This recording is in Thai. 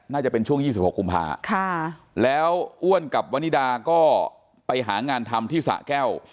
น่าจะเป็นช่วง๒๖กุมภาแล้วอ้วนกับวนิดาก็ไปหางานทำที่สะแก้ว